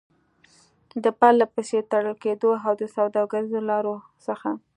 د پرلپسې تړل کېدو او د سوداګريزو لارو څخه